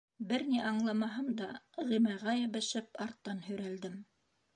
Бер ни аңламаһам да, Ғимайға йәбешеп арттан һөйрәлдем.